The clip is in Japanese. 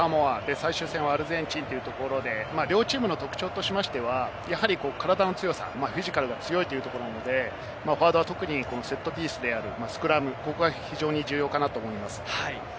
最終戦はアルゼンチン、両チームの特徴として、体の強さ、フィジカルが強いということで、フォワードは特にセットピースであるスクラムが重要かなと思っています。